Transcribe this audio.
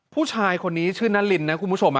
ผู้ชายคนนี้ชื่อนารินนะคุณผู้ชม